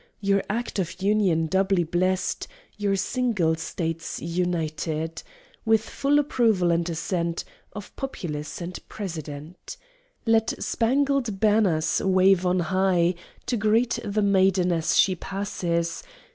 Your act of Union doubly blest, Your single States United, With full approval and assent Of populace and President! Let Spangled Banners wave on high, To greet the maiden as she passes!